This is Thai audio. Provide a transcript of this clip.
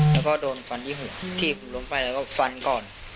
แล้วก็โดนฟันที่หัวถีบล้มไปแล้วก็ฟันก่อน